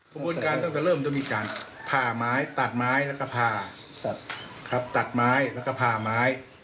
กระบวนการตั้งแต่เริ่มต้องมีการผ่าไม้ตัดไม้แล้วก็ผ่าตัดครับตัดไม้แล้วก็ผ่าไม้